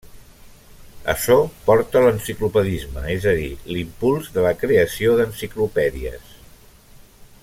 Açò portà a l'enciclopedisme, és a dir, l'impuls de la creació d'enciclopèdies.